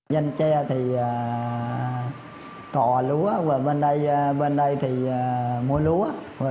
danh tre thì cò lúa bên đây thì mua lúa